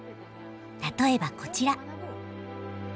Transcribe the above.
例えばこちら。